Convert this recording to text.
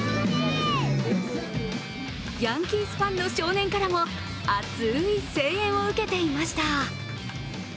ヤンキースファンの少年からも熱い声援を受けていました。